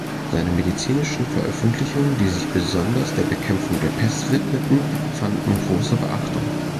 Seine medizinischen Veröffentlichungen, die sich besonders der Bekämpfung der Pest widmeten, fanden große Beachtung.